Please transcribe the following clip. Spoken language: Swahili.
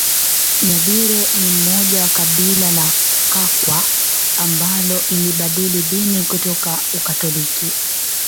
Nyabire ni mmoja wa kabila la Kakwa ambalo lilibadili dini kutoka Ukatoliki